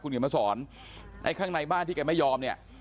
เขียนมาสอนไอ้ข้างในบ้านที่แกไม่ยอมเนี่ย